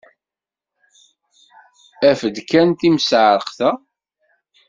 Af-d kan timseɛṛeqt-a!